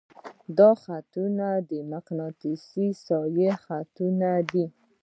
دا خطونه د مقناطیسي ساحې خطونه دي.